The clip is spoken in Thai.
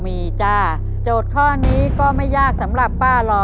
เพื่อชิงทุนต่อชีวิตสุด๑ล้านบาท